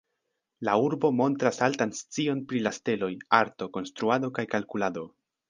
La urbo montras altan scion pri la steloj, arto, konstruado kaj kalkulado.